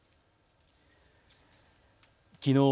きのう